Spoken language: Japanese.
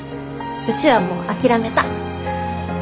うちはもう諦めた。